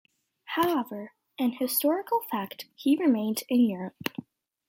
However, in historical fact he remained in Europe.